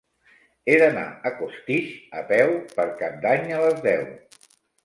He d'anar a Costitx a peu per Cap d'Any a les deu.